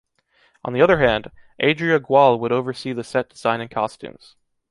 On the other hand, Adrià Gual would oversee the set design and costumes.